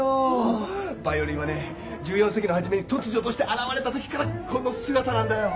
バイオリンはね１４世紀の初めに突如として現れたときからこの姿なんだよ！